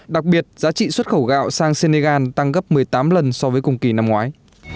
đặc biệt giá trị xuất khẩu gạo sang senegal tăng gấp một mươi tám lần so với cùng kỳ năm ngoái